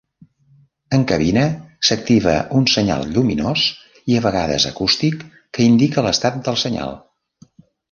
En cabina, s'activa un senyal lluminós i a vegades acústic que indica l'estat del senyal.